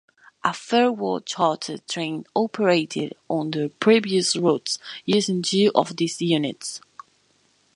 A farewell charter train operated on their previous routes using two of these units.